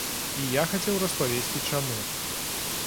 І я хацеў распавесці, чаму.